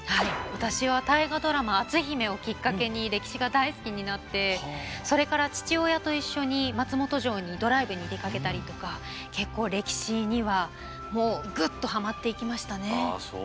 私は大河ドラマ「篤姫」をきっかけに歴史が大好きになってそれから父親と一緒に松本城にドライブに出かけたりとか結構歴史にはもうグッとハマっていきましたね。